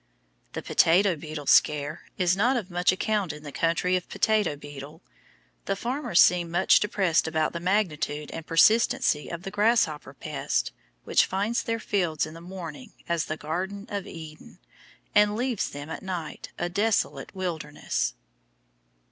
The potato beetle "scare" is not of much account in the country of the potato beetle. The farmers seem much depressed by the magnitude and persistency of the grasshopper pest which finds their fields in the morning "as the garden of Eden," and leaves them at night "a desolate wilderness."